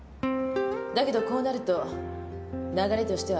だけどこうなると流れとしては離婚調停。